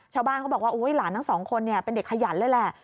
ชาวบ้านเขาบอกว่าหลานทั้งสองคนเป็นเด็กขยันเลยแหละ